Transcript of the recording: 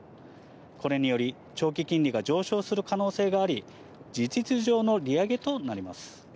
これにより、長期金利が上昇する可能性があり、事実上の利上げとなります。